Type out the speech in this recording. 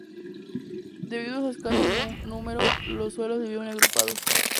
Debido a su escaso número, los suevos vivieron agrupados.